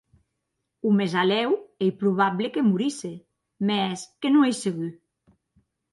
O mèsalèu ei probable que morisse, mès que non ei segur.